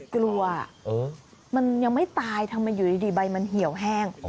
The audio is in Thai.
กลัวมันยังไม่ตายทำไมอยู่ดีใบมันเหี่ยวแห้ง